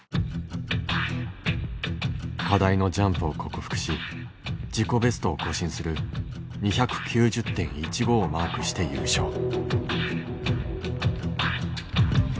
課題のジャンプを克服し自己ベストを更新する２９０．１５をマークして優勝。